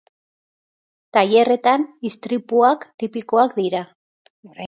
Tailerretan istripuak tipikoak dira.